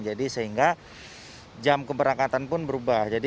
jadi sehingga jam keberangkatan pun berubah